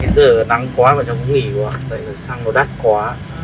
giờ nắng quá và trống hủy quá